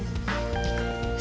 saya akan melawan lady